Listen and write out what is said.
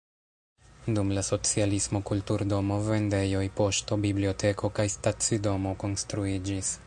Dum la socialismo kulturdomo, vendejoj, poŝto, biblioteko kaj stacidomo konstruiĝis.